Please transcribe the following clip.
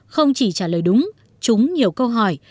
không chỉ trả lời đúng chúng nhiều câu hỏi